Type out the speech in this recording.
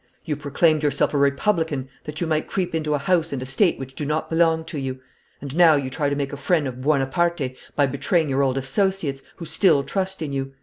You proclaimed yourself a Republican that you might creep into a house and estate which do not belong to you. And now you try to make a friend of Buonaparte by betraying your old associates, who still trust in you.